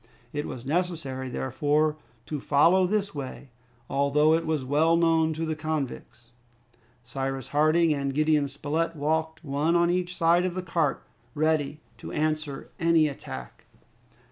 It was necessary, therefore, to follow this way, although it was well known to the convicts. Cyrus Harding and Gideon Spilett walked one on each side of the cart, ready to answer to any attack.